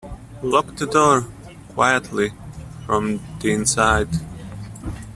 Lock the door — quietly — from the inside.